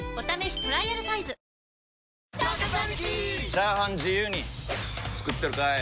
チャーハン自由に作ってるかい！？